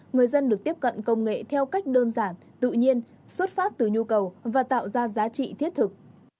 người dân được tiếp cận công nghệ theo cách đơn giản tự nhiên xuất phát từ nhu cầu và tạo ra giá trị thiết thực